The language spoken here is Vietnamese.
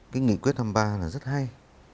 cái nghị quyết thăm ba là rất hay